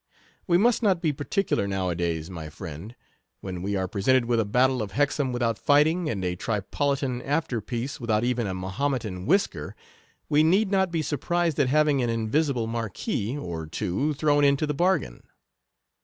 We must not be particular now a days, my friend. When we are presented with a battle of Hex ham without fighting, and a Tripolitan after piece without even a Mahometan whisker, we need not be surprised at having an invi sible marquis or two thrown into the bargain.